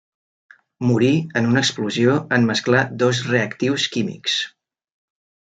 Morí en una explosió en mesclar dos reactius químics.